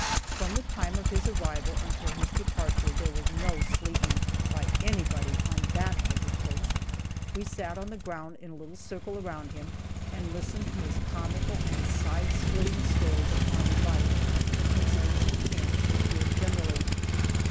From the time of his arrival until his departure there was no sleeping, by anybody, on that picket post. We sat on the ground in a little circle around him, and listened to his comical and side splitting stories of army life, and incidents in camp and field generally.